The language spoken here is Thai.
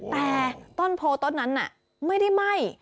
แต่ต้นโพต้นนั้นไม่ได้ไหม้